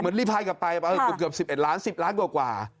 เหมือนรีบพลายกลับไปเกือบ๑๑ล้าน๑๐ล้านกว่ากว่า